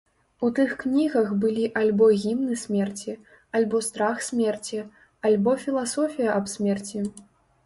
У тых кнігах былі альбо гімны смерці, альбо страх смерці, альбо філасофія аб смерці.